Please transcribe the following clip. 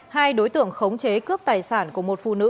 hai đối tượng khống chế cướp tài sản của một phụ nữ